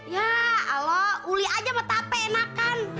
ya aloh uli aja sama tape enakan